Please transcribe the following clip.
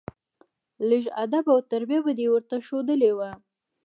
لېږ ادب او تربيه به دې ورته ښودلى وه.